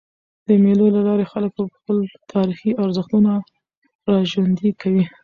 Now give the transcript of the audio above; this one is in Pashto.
د مېلو له لاري خلک خپل تاریخي ارزښتونه راژوندي کوي.